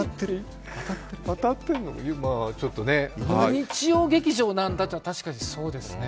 日曜劇場なんだというのは確かにそうですね。